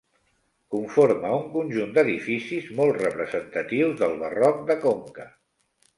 Conforma un conjunt d'edificis molt representatius del barroc de Conca.